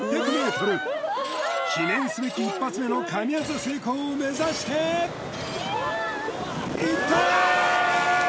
ｍ記念すべき一発目の神業成功を目指していったーーー！